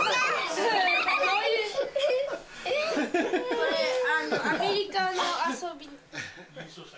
これ、アメリカの遊び。